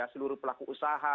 seluruh pelaku usaha